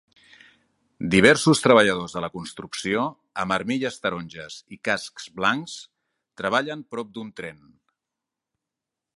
Diversos treballadors de la construcció amb armilles taronges i cascs blancs treballen prop d'un tren.